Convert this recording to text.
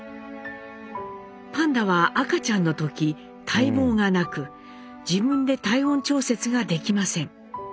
パンダは赤ちゃんの時体毛がなく自分で体温調節ができません。